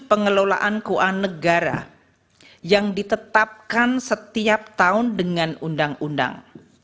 pengelolaan keuangan negara yang ditetapkan setiap tahun dengan undang undang